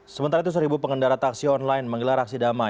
sementara itu seribu pengendara taksi online menggelar aksi damai